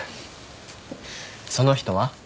その人は？